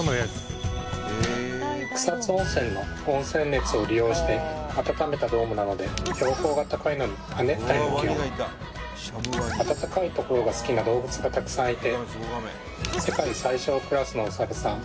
草津温泉の温泉熱を利用して暖めたドームなので標高が高いのに亜熱帯の気温暖かいところが好きな動物がたくさんいて世界最小クラスのおサルさん